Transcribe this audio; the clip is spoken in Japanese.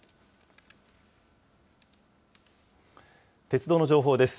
鉄道の情報です。